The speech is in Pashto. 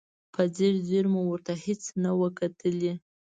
په ځیر ځیر مو ورته هېڅ نه و کتلي.